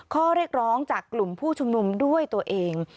ข้อเรียกร้องจากกลุ่มผู้ชุมนุมด้วยตัวเอง